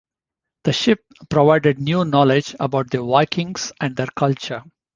The ship provided new knowledge about the Vikings and their culture.